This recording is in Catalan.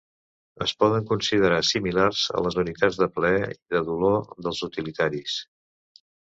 Es poden considerar similars a les unitats de plaer i de dolor dels utilitaris.